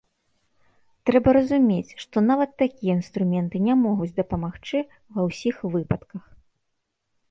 Трэба разумець, што нават такія інструменты не могуць дапамагчы ва ўсіх выпадках.